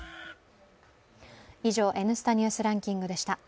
以上、「Ｎスタ・ニュースランキング」でした。